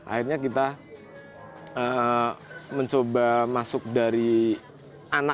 akhirnya kita mencoba masuk dari anaknya dari generasinya